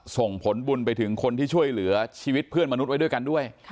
ส่งผลบุญไปถึงคนที่ช่วยเหลือชีวิตเพื่อนมนุษย์ไว้ด้วยกันด้วย